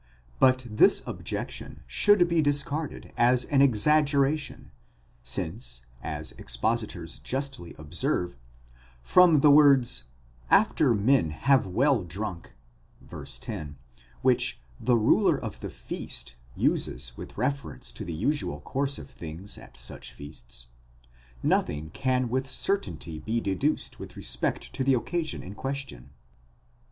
But this objection should be discarded as an exaggeration, since, as expositors justly observe, from the words after men have well drunk, ὅταν μεθυσθῶσι (vy. 10), which the ruler of the feast ἀρχιτρίκλινος uses with reference to the usual course of things at such feasts, nothing can with certainty be deduced with respect to the occasion in question.